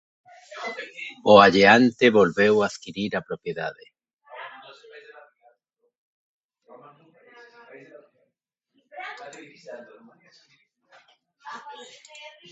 O alleante volveu adquirir a propiedade.